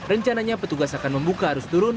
rencananya petugas akan membuka arus turun